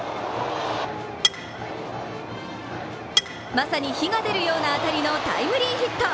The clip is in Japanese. まさに火が出るような当たりのタイムリーヒット。